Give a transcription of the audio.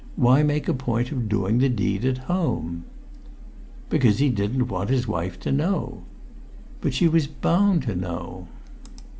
Why make a point of doing the deed at home?" "Because he didn't want his wife to know." "But she was bound to know."